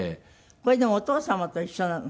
これでもお父様と一緒なの？